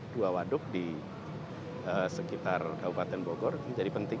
dua waduk di sekitar kabupaten bogor menjadi penting